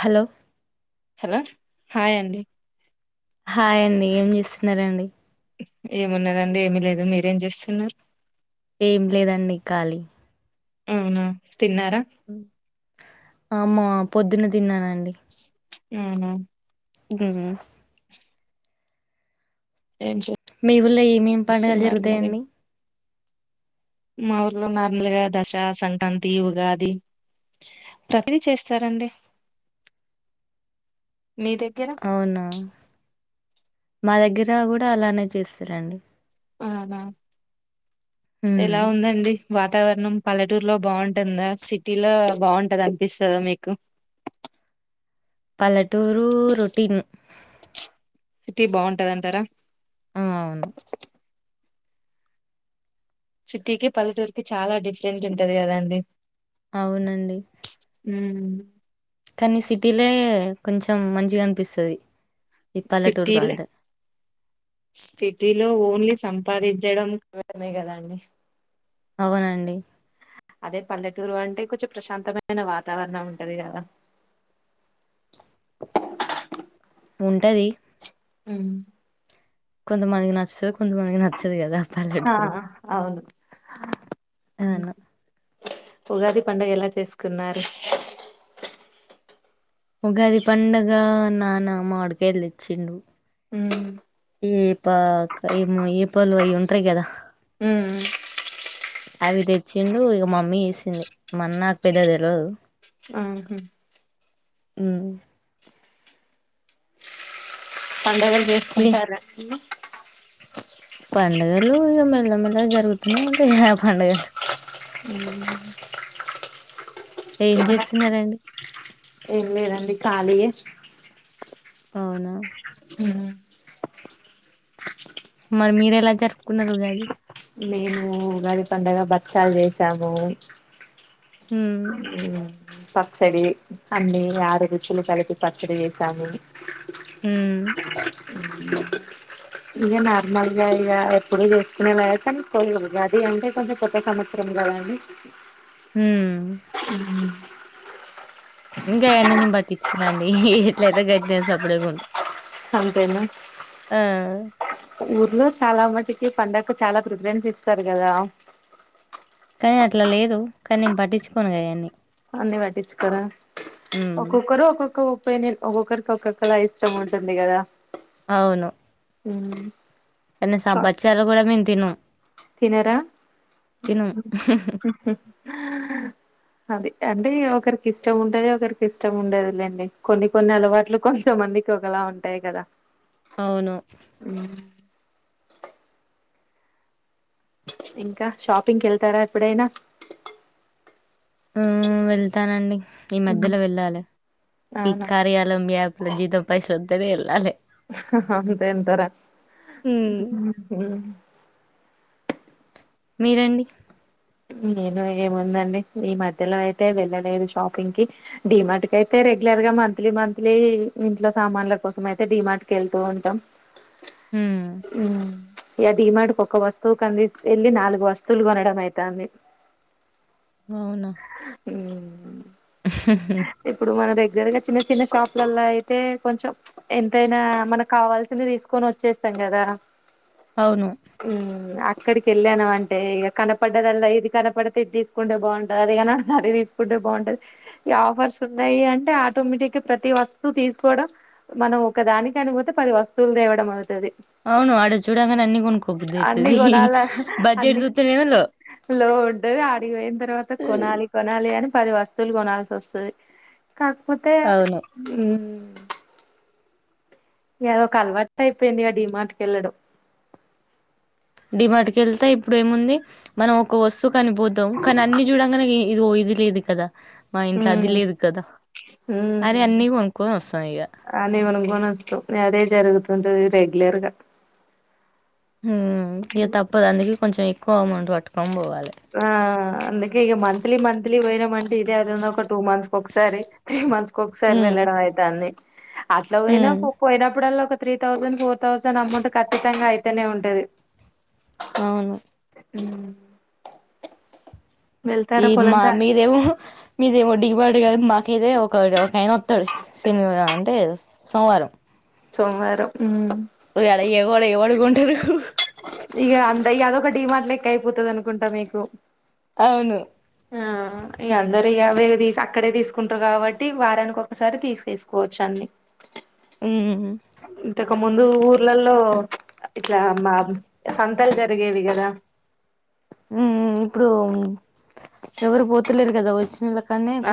Hello hello hi అండి హాయ్ండి ఏం చేస్తున్నారండి ఏమున్నదండి ఏమి లేదు మీరేం చేస్తున్నారు ఏం లేదండి ఖాలీ అవునా తిన్నారా అమ్మో పొద్దున్న తిన్నానండి హు హు మ్మ్. ఏం మే ఊల్ల ఏమేమి పండుగలు చేస్తున్నారు మరి జరుగుతాయండి మా ఊర్లో నార్మల్గా దశ సంక్రాంతి ఉగాది ప్రతి చేస్తారండి మీ దగ్గర అవునా మా దగ్గర కూడా అలానే చేస్తారండి అలాగ మ్మ్. ఎలా ఉందండి వార్త వాతావరణం పల్లెటూరులో బాగుంటుందా సిటీలో బాగుంటది అనిపిస్తుందా మీకు పల్లెటూరు రొటీన్ సిటీ బాగుంటది అంటారా ఆ అవును సిటీ క పల్లెటూరుకి చాలా డిఫరెంట్ ఉంటది కదా అండి అవునండి ఉ కానీ సిటీలే కొంచెం మంచిగా అనిపిస్తుది సిటీ సిటీలో ఓన్లీ సంపాదించడంమే కదండి అవునండి అదే పల్లెటూరు అంటే కొంచెం ప్రశాంతమైన వాతావరణం ఉంటది కదా ఉంటది ఉమ్ కొంచంత మాదిగా నచ్చ కొందు మనకి నచ్చదు కదా పాలెటూరు హ తను ఉగాది పడుగ ఎలా చేసుకున్నారు ఒకది పడుగ నాన్నమ్మ వాడిక వెళ్ళిచ్చిండు ఉ ఈ పా ఏమ ఈ పలుు అవి ఉంటాయి కదా హ అవి తెచ్చిండు ఇక మమ్మీ వేసింది మన్న నాకు పెద్ద తెలియదు ఆహా పండుగలు మీ చేసుకుంటారు పండుగలు ఇక మెల్లమెల్లగా జరుగుతూనే ఉంటాయి పండుగలు ఉ [unintelligible] ఏం చేస్తున్నారండి ఏం లేదండి ఖాళీయ అవునా హు మరి మీర ఎలా జరుపుకున్నారు ఉగాది మేము ఉగాది పండగ బచ్చాలు చేసాము ఉమ్ స [inaudible] పచ్చడి అన్ని ఆరు రుచులు కలిపి పచ్చడి చేసాము హు ఇంక నార్మల్గా ఇక ఎప్పుడూ చేసుకునేవా కానీ ఉగాది అంటే కొంచెం కొత్త సంవత్సరం కదండి హ ఆ ఇంకా అవన్నీ పట్టించుకొను అండి ఎట్లయితే గట్ సప్పుడేకుం అంతేనా ఊర్లో చాలా మట్టి కి పండగ చాలా ప్రిఫరెన్స్ ఇస్తారు కదా కానీ అట్లా లేదు కా నేను పట్టించుకోనగాయన్ని అన్ని పట్టించు కరా ఉమ్ ఒక్కొక్కరు ఒక్కొక్క నేను ఒక్కొక్కరికి ఒక్కొక్కలా ఇష్టం ఉంటుంది కదా అవును అ కనీస బచ్చలు కూడా మీ తిను తినార అదే అంటే ఒకరికి ఇష్టం ఉంటది ఒకరికి ఇష్టం ఉండేదిలేండి కొన్ని కొన్ని అలవాట్లు కొంతమందికి ఒకలా ఉంటాయి కదా అవును ఇంకా షాపింగ్కిళ్తారా ఎప్పుడైనా ఆ వెళ్తానండి ఈ మ్మ్ మధ్యలో వెళ్ళాలి ఈ అవునా కార్యాలయం మీ యాప్ల జీతం పైసలు ఎల్లలే అంతే అంటారు హ్మ్ మీరండి నేను ఏముందండి ఈ మధ్యలో అయితే వెళ్ళలేదు ఏముంది ఆండీ ఈ మధ్య లో ఐతే వెళ్లలేదు షాపింగ్ కి డిమార్ట్ కి అయితే రెగ్యులర్ గా మంత్లీ మంత్లీ ఇంట్లో సామాన్ల కోసం అయితే డిమార్ట్ కి వెళ్తూ ఉంటాం హ ఇ అది మ ఒకక్క వస్తువు కంద ఇల్ నాలుగు వస్తువులు కొనడడం అయిది ఇ దన్ని అవునా ఉ ఇప్పుడు మన దగ్గర దగ్గరగా చిన్న చిన్న క్రాప్లలో అయితే కొంచెం ఎంతైనా మనకు కావాల్సింది తీసుకొని వచ్చేస్తాం కదా అవును ఉ ఇక్కడికి వెళ్ళాను అంటే ఇక కనపడ్డదల్ ఇది కనపడ తట్టి తీసుకుంటే బాగుంటది అదే కాన దరి తీసుకుంటే బాగుంటది ఈ ఆఫర్స్ ఉన్నాయి అంటే ఆటోమేటిక్గా ప్రతి వస్తువు తీసుకోవడం మనం ఒక దాని కానికపోతే పది వస్తువులు తేవడం అవుతుంది అవును ఆడ చూడంగానే అన్ని కొనుక్కోబుద్ది అన్ని అయితది కొనాలి బడ్జెట్ అన్ని చూత్తేనేమో లో లో ఉడ్డవి అడిగిపోయిన తర్వాత కొనాలి కొనాలి అని పది వస్తువులు గుణాల స సే కాకపోతే అవును ఏదో ఒక అలవాటు అయిపోయింది ఆ డీమాటకి వెళ్ళడం మాటుక వెళ్తేా ఇప్పుడు ఏముంది మనం ఒక వస్తు కనిపోద్దాం కానీ అన్ని చూడంగానే ఇదిో ఇది లేదు కదా మా ఇంట్లో అది ఊమ్ లేదు కదా అని ఊమ్ అన్ని కొనుక్కొని వస్తాం ఇగ అని గని మనుస్తో అదే జరుగుతు ఉంటది రెగులర్గా ఊమ్ ఇగ తప్పుదు అందుక కొంచెం కోమన్ వాటకొని బోవల ఆ ఆ అందుకె ఇగ మం మంత్లీ మంత్లీ వొనం మంటే ఇదే ఐతుంది ఒక టూ మంత్స్ కోకసారి త్రీ మంత్స్ కొకసారి ఉమ్ వెళ్ళడం ఐతండి అట్లా పోయినా ఉమ్ పో పోయినప్పుడల three thousand four thousand amount ఖచ్చితంగా అయితేనే ఉంటది అవును ఉం ఈ మా పొలంకా మీదేవురు మీదే ఒడింగా అంటే కానీ మాకిదే ఒకడు ఒకయన వస్తాడు శనివా అంటే సోమవారం సోమవారం ఒక అళ ఎవడ ఎవడు గొంటరు ఇక అంత ఇ అదొక డిమార్ట్ లెక్క అయిపోతది అనుకుంటా మీకు అవును ఆ ఇ అందరు ఇగ అవి ఇవి అక్కడే తీసుకుంటారు కాబట్టి వారానికి ఒకసారి తీసుకేసుకోవచ్చు అన్ని ఊమ్ ఇంతకు ముందు ఊర్లలో ఇట్లా మా సంతలు జరిగేవి కదా ఉమ్ ఇప్పుడు ఎవరు పోతలేరు కదా వచ్చిన ఆ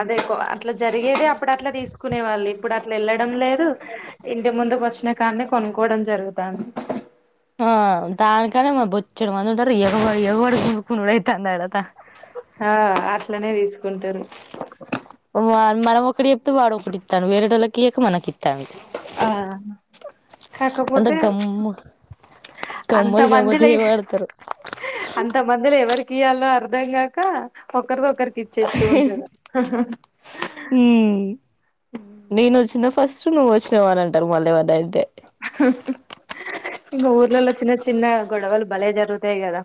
అదే కో అట్లా జరిగేది అప్పుడు అట్లా తీసుకునే వాళ్ళు ఇప్పుడు అట్లా వెళ్ళడం లేదు ఇంటి ముందుకు వచ్చిన కానీ కొనుక్కోవడం జరుగుతుంది పుడు ఎవడు ఎవడు ఎగుకుడు ఐతండి అడ త ఆ ఆట్లనే తీస్ కొంటారు వార్ మనమొకటి వాడొకటి ఇస్తాడు వేరటోలకి ఇయక మనకి ఇత్తాండు ఆ అంత కాకపోతే చ్ గమ్ము అంత గమ్మత్ మందిలో గమ్మత్తుగా ఆహ్ పడతారు అంత మందిలో ఎవరికి తీయాల్లో అర్ధం కాక ఒకరికొకరికి ఇచ్చేస్తూ ఉంటారు ఉమ్ నేను వచ్చిన ఫస్ట్ నువ్వు వచ్చినావ రా అంటారు మళ్ళీ డైరెక్ట్ ఆహ్ హ్ ఇంక ఊర్లలో చిన్న చిన్న గొడవలు బలే జరుగుతాయి కదా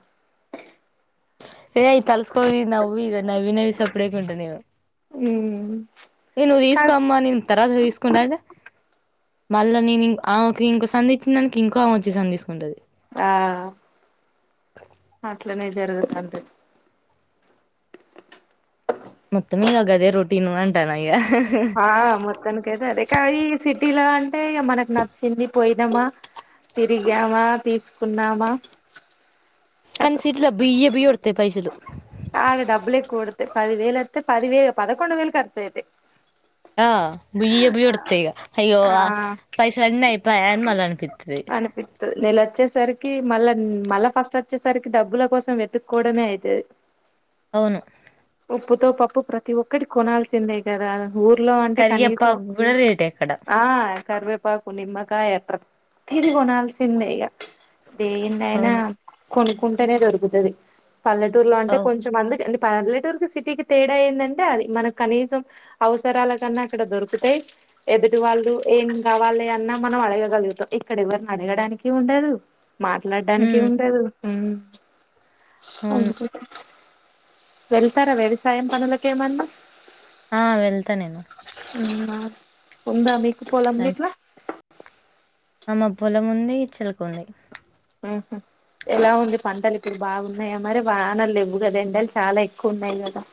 ఏయయి తల్స్కోది నవ్వు ఈక నవవి నవవి సప్పుడేకు ఉంటా నవవు ఉ ఏ నువ్వు తీసుకోమ్మా నేను తర్వాత తీసుకుంటా అంటే మళ్ళ నేనుం ఇంక ఆమెకు సంధ ఇచ్చినానికి ఇంకో వచ్చి సంధ తీసుకుంటది ఆ అట్లనే జరుగుతాంటది మొత్త మీ అగాద రోటీ అంట నీడ ఆ మొత్తాని కైతే అదే ఇంకా ఈ సిటీలో అంటే మనకు నచ్చింది పోయినామా తిరిగామా తీసుకున్నామా కనిస కతం బియఏ బియతే పైస పదివేలతే పదివే పదకొండు వేలు ఖర్చయితాయి ఆ బుయ్య బయ్యడత ఇగ అయ్యో ఆ పైసలు అన్న అయిప్ప అన్ మళ అనిపితుది అనిపిత్తది నెల వచ్చేసరికి మళ్ళ మళ్ళా ఫస్ట్ వచ్చేసరికి డబ్బుల కోసం వెతుక్కకోవడమే అవుతుది అవును ఉప్పుతో పప్పు ప్రతి ఒక్కటి కొనాల్సిందే కదా ఊర్లో అంటే కనీసం కరియేపాకు కూడా రేటే అక్కడ ఆ కరివే కరివేపాకు నిమ్మకాయ ప్రతీది కొనాల్సిందే యక్ దేన్నైనా అవును కొనుక్కుంటేనే దొరుకుతుది పల్లెటూరులో అంటే అవు కొంచెమంది పల్లెటూరుకి సిటీకి తేడా ఏందంటే అది మనకు కనీసం అవసరాల కన్నా అక్కడ దొరుకుతాయి ఎదుటి వాళ్ళు ఏం కావాలి అన్నా మనం అడగగలుగుతాం ఇక్కడ ఎవరిని అడగడానికి ఉండదు మాట్లాడడానికి ఉమ్ ఉ అమ్ అవును అందుకే వెళ్తారా వ్యవసాయం పనులకు ఏమన్నా ఆ వెళ్తా నేను ఉందా మీకు పోలం గట్లా ఆమ పొలం ఉంది చిలక ఉంది ఆహుమ్ ఎలా ఉంది పంటలు ఇప్పుడు బాగున్నాయా మరి వానలు ఇవ్వు కదా ఎండలు చాలా ఎక్కువ ఉన్నాయి కదా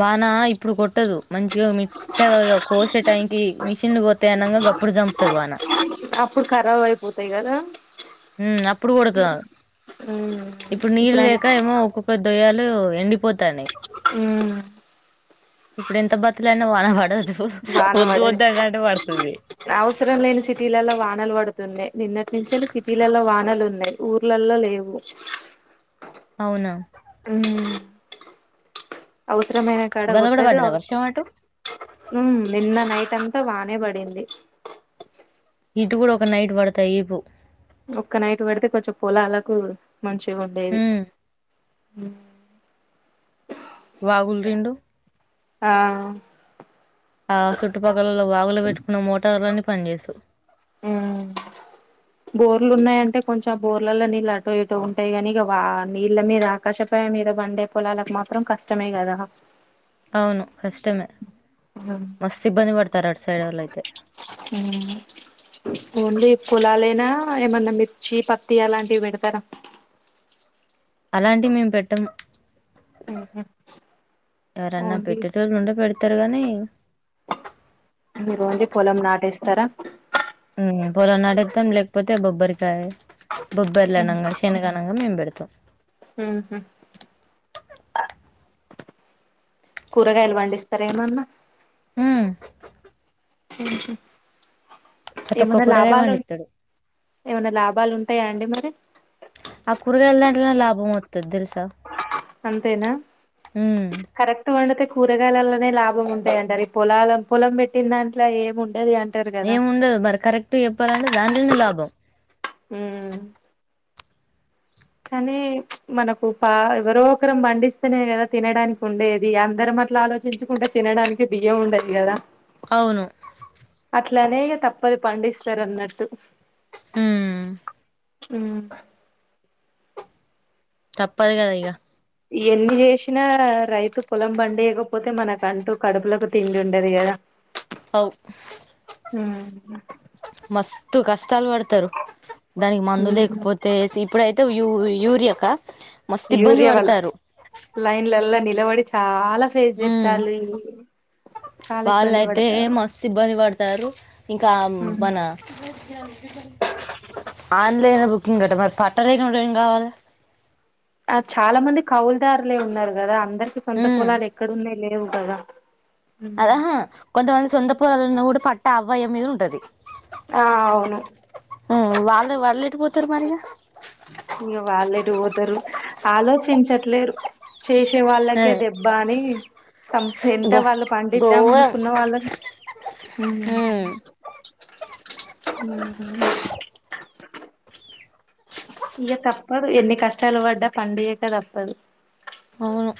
వాన ఇప్పుడు కొట్టదు మంచిగా మిట్టగా కోసే టైంకి మ చిన్నగా తేనంగా గప్పుడు చంపుతది వాన అప్పుడు ఖరాబ్ అయిపోతాయి కదా ఉమ్ అప్పుడు కుడుతు ఉమ్ ఇప్పుడు నీళ్ళు ఇప్పుడైనా లేక ఏమో ఒక్కొ కొద్ద తొయలు ఎండిపోతాయి ఉమ్ ఇప్పుడు ఎంత బతులయినా వాన పడదు వాన వద్దు పడదు వద్దు అనంటే పడుతది అవసరం లేని సిటీలలో వానలు పడుతున్నాయి నిన్నటి నుంచే సిటీలలో వానలు ఉన్నాయి ఊర్లలో లేవు అవునా అమ్ అవసరమైన కడ ఇవాళ కూడా కొట్టదు పడ్డదా వర్షం అటు ఉమ్ నిన్న నైట్ అంత అంత బానే పడింది ఇటు కూడా ఒక నైట్ పడతాయి ఈపు ఒక్క నైట్ పడితే కొంచెం పోలలాకు మంచిగా ఉండేది ఉమ్ హమ్ వాగులు రెండు ఆ ఆ చుట్టుపక్కలలో వాగులు పెట్టుకున్న మోటార్లని పని చేస్తు ఉమ్ పొలాల్లో నీళ్ళు అటో ఇటో ఉంటాయి కాగానీ ఇక నీళ్ళ మీద ఆకాశపాయ మీద బండే పొలాలకు మాత్రం కష్టమే కదా అవును కష్టమే మస్తు ఇబ్బంది పడతారు అటు సైడ్ వాళ్ళు అయితే పోండి పోలాలేనా ఏమన్నా మిర్చి పత్తి అలాంటివి పెడతారా అలాంటి మేము పెట్టము ఉహు ఎవరన్నా ఓన్లీ పెట్టేటోళ్ళు ఉండే పెడతారు కానీ మీరు ఓన్లీ పొలం నాటేస్తారా ఉ పోలనాటితాం లేకపోతే బొబ్బరికాయ బొబ్బర్లు అనంగా శనగనంగా మేం పెడతాం క్క ఉహు కూరగాయలు పండిస్తారేమన్నా ఊ మ్ ఉహు ప్రతి ఒక్క కూరగాయ పండితాడు ఏమన్నా లాభాలు ఉంటాయా అండి మరి ఆ కూరగాయల దాంలో లాభం వతుంది తెలుస అంతేనా ఉమ్ కరక్ట్ మ కూరగాయలలోనే లాభం ఉంటాయింట పొలలు పొలం పెట్టిన దాంట్లో ఏముంట ఏం ఉండదు మరి కరెక్ట్ చెప్పాలంటే దాంట్లోనే లాభం బ్రం హూ మ్ కానీ మనకు పా ఎవరో ఒకరం పండిస్తనే కదా తినడానికి ఉండేది. అందరం అట్లా ఆలోచించుకుంటే తినడానికి బియ్యం ఉండదు కదా. అవును అట్లనే తప్పదు పండిస్తరు అన్నట్టు ఉమ్ హ్మ్ తప్పదు కదా ఇగ ఎన్ని చేసినా రైతు పొలం పండియకపోతే మనకంటూ కడుపులకు తిండి ఉండది కదా. అవు ఉహు తూ కస్ ష్టాలు పడతరు దానికి మందు హ్మ్. లేకపోతే ఇప్పుడయి తూ యూ యూరి కా యూరియా వల్ల లైన్లల్ల నిల్ ఎవరిచ్చినారు హ్మ్ చాలా ఇబ్బంది వాళ్ళయితే పడతారు మస్తు ఇబ్బంది పడతారు ఇంకా హ్మ్ మన ఆన్లైన్ బుకింగ్ మరి ప ట్ట లేనోడు ఏం కావాలె ఆ చాలా మంది కౌలుదారులే ఉన్నారు కదా అం అందరికి సొంత పొలాలు ఎక్కడన్నాయి లే లెవ్వు కదా అహా కొంతమంది సొంత పొలాలు ఉన్న కూ పట్ట అవ్వయ్య మీద ఉంటది ఆ అవును హ్మ్ వాళ్లే వాళ్ళెటు పోతరు మరి ఇగ వాళ్ళెటు పోతరు ఆలోచించట్లేరు చేశే వాళ్ళకే అదే దెబ్బ అని సం ఎంత బా వాళ్ళు పండిద్దాం ఘోరం అనుకున్న వాళ్ళని హ్మ్ ఉమ్ హ్మ్ హూ ఇగ తప్పదు ఎన్ని కష్టాలు పడ్డా పండియ్యక తప్పదు అవును